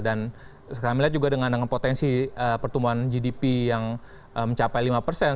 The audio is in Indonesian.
dan sekarang kita lihat juga dengan potensi pertumbuhan gdp yang mencapai lima persen